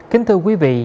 kính thưa quý vị